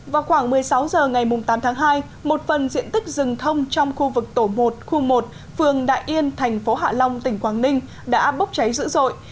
vào khoảng một mươi sáu h ngày tám tháng hai một phần diện tích rừng thông trong khu vực tổ một khu một phường đại yên thành phố hạ long tỉnh quảng ninh đã bốc cháy dữ dội